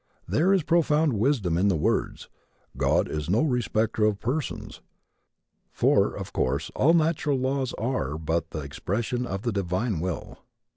There is profound wisdom in the words "God is no respecter of persons," for, of course, all natural laws are but the expression of the divine will.